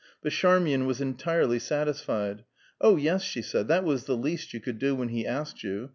But Charmian was entirely satisfied. "Oh, yes," she said, "that was the least you could do, when he asked you.